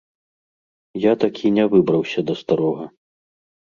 Я так і не выбраўся да старога.